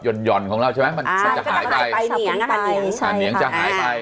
หย่อนหย่อนของเราใช่ไหมอ่ามันจะหายไปใช่ค่ะเนียงจะหายไป